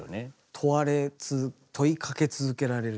問われ問いかけ続けられるというか。